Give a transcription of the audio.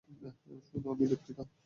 শোন, আমি দুঃখিত।